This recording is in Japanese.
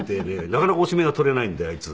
なかなかおしめが取れないんであいつ。